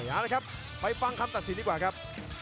เอาละครับไปฟังคำตัดสินดีกว่าครับ